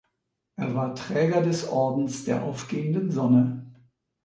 Er war Träger des Ordens der aufgehenden Sonne.